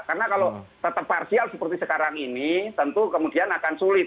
karena kalau tetap farsial seperti sekarang ini tentu kemudian akan sulit